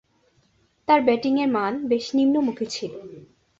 তার ব্যাটিংয়ের মান বেশ নিম্নমূখী ছিল।